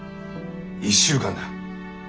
１週間だ。